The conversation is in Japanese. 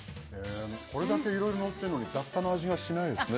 これだけいろいろのってんのに雑多な味がしないですね